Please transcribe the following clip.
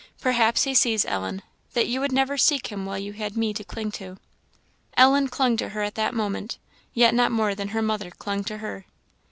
Perhaps he sees, Ellen, that you never would seek him while you had me to cling to." Ellen clung to her at that moment yet not more than her mother clung to her.